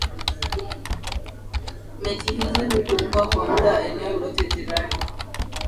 Mechi hizi hupungua kwa muda eneo lote jirani